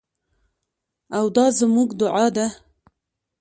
او دا زموږ دعا ده.